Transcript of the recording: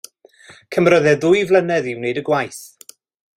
Cymerodd e ddwy flynedd i wneud y gwaith.